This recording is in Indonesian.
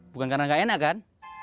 bukan karena nggak enak kan